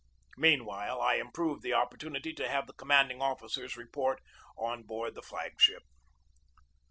Meanwhile, I improved the opportunity to have the commanding officers report on board the flag ship.